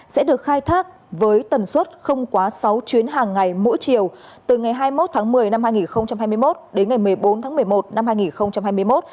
sẽ được khai thác với tần suất không quá sáu chuyến hàng ngày mỗi chiều từ ngày hai mươi một tháng một mươi năm hai nghìn hai mươi một đến ngày một mươi bốn tháng một mươi một năm hai nghìn hai mươi một